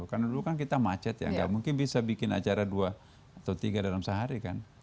karena dulu kan kita macet ya gak mungkin bisa bikin acara dua atau tiga dalam sehari kan